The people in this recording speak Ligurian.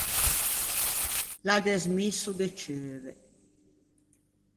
L’à desmisso de ceuve.